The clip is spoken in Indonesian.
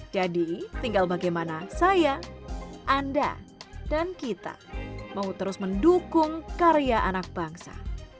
jadi tinggal bagaimana saya anda dan kita mau terus mendukung karya anak bangsa